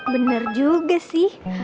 bener juga sih